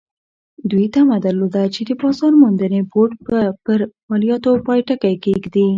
دوی تمه درلوده چې د بازار موندنې بورډ به پر مالیاتو پای ټکی کېږدي.